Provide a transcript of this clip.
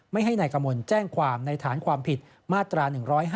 ไม่ให้นายกมลแจ้งความในฐานความผิดมาตรา๑๕